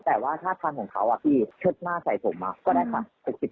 แต่ว่าท่าทางของเขาพี่เชิดหน้าใส่ผมก็ได้ค่ะ